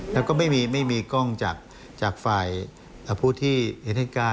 แล้วก็ไม่มีกล้องจากฝ่ายผู้ที่เห็นเหตุการณ์